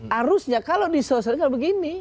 harusnya kalau di sosial negara begini